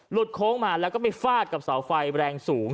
โค้งมาแล้วก็ไปฟาดกับเสาไฟแรงสูง